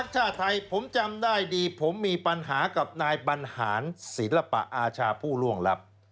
ชาติไทยผมจำได้ดีผมมีปัญหากับนายบรรหารศิลปะอาชาผู้ล่วงลับ